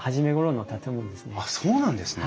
あっそうなんですね。